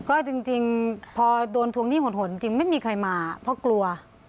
ก็จริงพอโดนทวงหนี้หนจริงไม่มีใครมาเพราะกลัว